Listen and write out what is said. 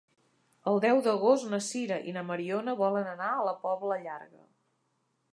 El deu d'agost na Sira i na Mariona volen anar a la Pobla Llarga.